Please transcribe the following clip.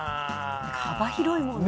幅広いもんね。